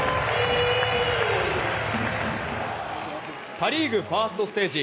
パ・リーグファーストステージ。